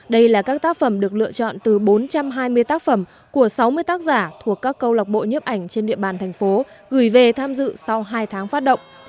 sáu trăm hai mươi tác phẩm của sáu mươi tác giả thuộc các câu lạc bộ nhiếp ảnh trên địa bàn thành phố gửi về tham dự sau hai tháng phát động